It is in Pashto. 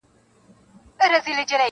• پلار یې ویل څارنوال ته وخت تېرېږي,